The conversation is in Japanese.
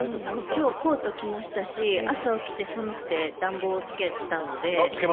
今日コート着ましたし朝起きて寒くて暖房をつけたので。